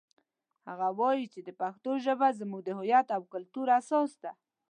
هغه وایي چې د پښتو ژبه زموږ د هویت او کلتور اساس ده